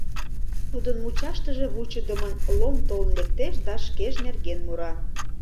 Тудын мучаштыже вучыдымын Лом толын лектеш да шкеж нерген мура